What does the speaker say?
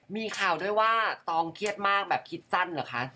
มีข่าวด้วยว่าตองเครียดมากแบบคิดสั้นเหรอคะ